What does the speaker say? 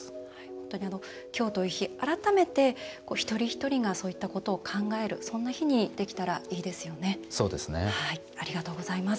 本当に今日という日改めて、一人一人がそういったことを考えるそんな日にできたらいいですよね。